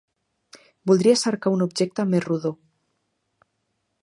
Voldria cercar un objecte més rodó.